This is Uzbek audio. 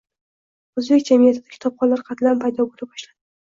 o‘zbek jamiyatida kitobxonlar qatlami paydo bo‘la boshladi.